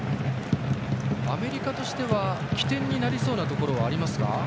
アメリカとしては起点になりそうなところはありますか？